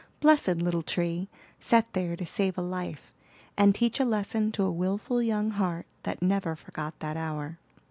Blessed little tree! set there to save a life, and teach a lesson to a wilful young heart that never forgot that hour.